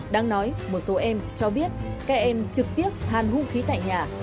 đáng nói một số em cho biết các em trực tiếp hàn hung khí tại nhà